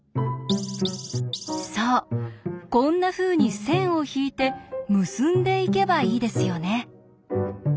そうこんなふうに線を引いて結んでいけばいいですよね。